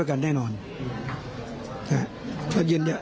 มาขึ้นด้วย